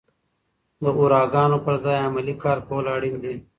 د هوراګانو پر ځای عملي کار کول اړین دي.